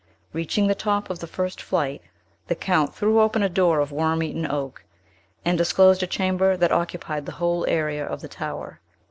Reaching the top of the first flight, the Count threw open a door of worm eaten oak, and disclosed a chamber that occupied the whole area of the tower.